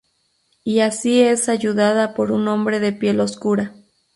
Y así es ayudada por un hombre de piel oscura.